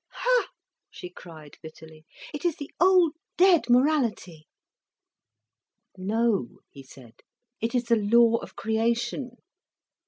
"Ha!" she cried bitterly. "It is the old dead morality." "No," he said, "it is the law of creation.